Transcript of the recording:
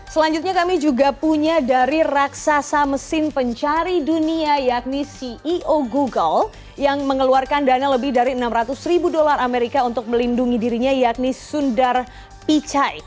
selanjutnya kami juga punya dari raksasa mesin pencari dunia yakni ceo google yang mengeluarkan dana lebih dari enam ratus ribu dolar amerika untuk melindungi dirinya yakni sundar pichai